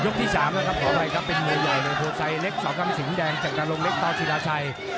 ยกที่สามแล้วครับขอบใจครับเป็นมือใหญ่ในตัวไทย